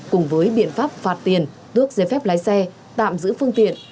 cùng với biện pháp phạt tiền tước giấy phép lái xe tạm giữ phương tiện